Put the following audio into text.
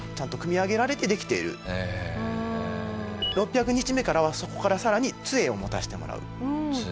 ６００日目からはそこからさらに杖を持たせてもらう。